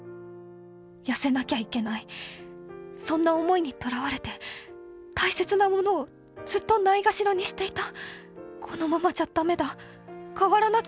『痩せなきゃいけない』そんな想いにとらわれて大切なものをずっとないがしろにしていた」。